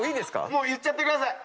もう言っちゃってください。